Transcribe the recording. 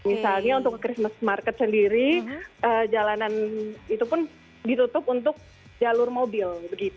misalnya untuk christmas market sendiri jalanan itu pun ditutup untuk jalur mobil